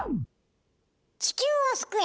地球を救え！